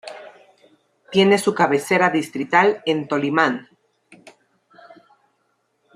Tiene su cabecera Distrital en Tolimán.